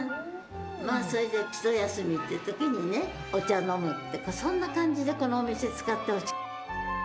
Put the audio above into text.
それで一休みというときにね、お茶を飲むって、そんな感じでこのお店、使ってほしい。